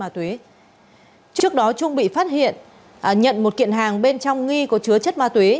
trước đó trung bị phát hiện nhận một kiện hàng bên trong nghi có chứa chất ma túy